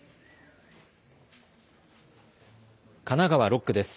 神奈川６区です。